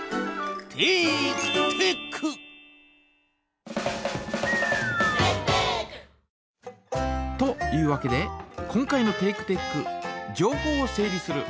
「テイクテック」！というわけで今回のテイクテック「情報を整理する」